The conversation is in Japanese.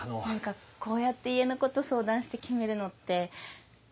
何かこうやって家のこと相談して決めるのって。